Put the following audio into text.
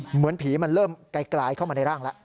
เหมือนผีมันเริ่มไกลเข้ามาในร่างแล้ว